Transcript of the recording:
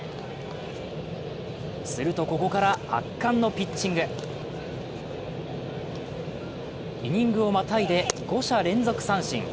すると、ここから圧巻のピッチングイニングをまたいで５者連続三振。